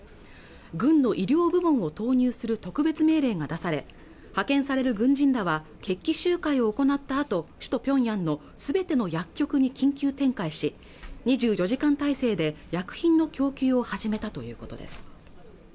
軍の医療部門を投入する特別命令が出され派遣される軍人らは決起集会を行ったあと首都ピョンヤンのすべての薬局に緊急展開し２４時間体制で薬品の供給を始めたということです